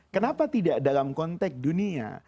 kenapa tidak dalam konteks dunia